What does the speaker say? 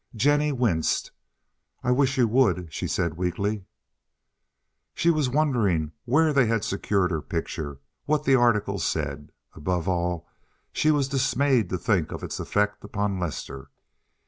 Jennie winced. "I wish you would," she said, weakly. She was wondering where they had secured her picture, what the article said. Above all, she was dismayed to think of its effect upon Lester.